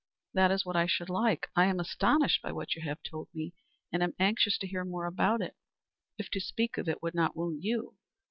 "That is what I should like. I am astonished by what you have told me, and am anxious to hear more about it, if to speak of it would not wound you.